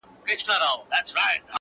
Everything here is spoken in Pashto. زما د زړه گلونه ساه واخلي~